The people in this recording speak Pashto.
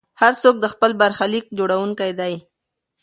هر څوک د خپل برخلیک جوړونکی دی.